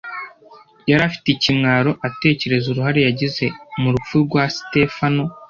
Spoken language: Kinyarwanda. Yari afite ikimwaro atekereza uruhare yagize mu rupfu rwa Sitefano.